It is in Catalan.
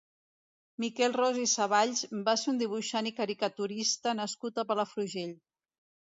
Miquel Ros i Saballs va ser un dibuixant i caricaturista nascut a Palafrugell.